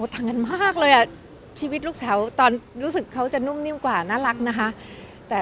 ทางกันมากเลยอ่ะชีวิตลูกสาวตอนรู้สึกเขาจะนุ่มนิ่มกว่าน่ารักนะคะ